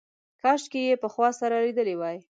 کاشکې یې پخوا سره لیدلي وای.